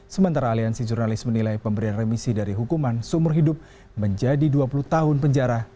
sementara aliansi jurnalis menilai pemberian remisi dari hukuman seumur hidup menjadi dua puluh tahun penjara